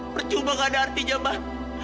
percuma gak ada artinya mbak